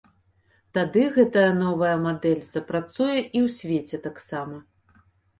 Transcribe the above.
Тады гэтая новая мадэль запрацуе і ў свеце таксама.